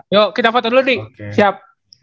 yuk kita foto dulu nih siap